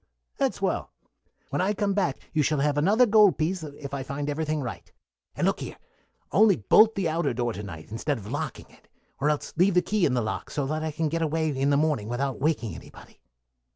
"That's well. When I come back you shall have another gold piece if I find everything right. And look here: only bolt the outer door to night instead of locking it, or else leave the key in the lock, so that I can get away in the morning without waking anybody."